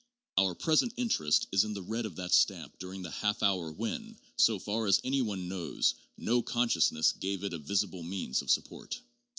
Our present interest is in the red of that stamp during the half hour when, so far as any one knows, no consciousness gave it a visible means of support.